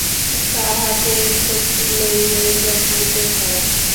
তাহাকে শক্তি লইয়াই জন্মাইতে হয়।